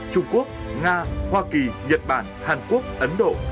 trung quốc nga hoa kỳ nhật bản hàn quốc ấn độ